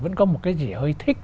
vẫn có một cái gì hơi thích